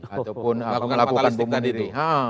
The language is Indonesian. ataupun melakukan bomun diri